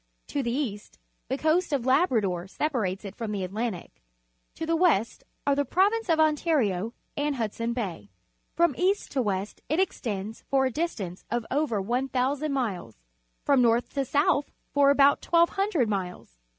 To the east the Coast of Labrador separates it from the Atlantic; to the west are the Prolan ce of Ontario and Hudson Bay. From east to west it extends for a distance of over 1,000 miles, from north to south for about 1,200 iniles.